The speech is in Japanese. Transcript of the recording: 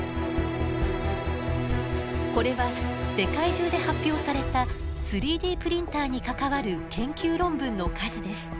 これは世界中で発表された３Ｄプリンターに関わる研究論文の数です。